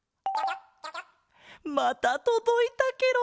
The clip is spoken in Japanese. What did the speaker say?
またとどいたケロ！